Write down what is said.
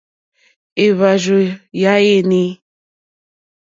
Èhvàrzù ya inèi.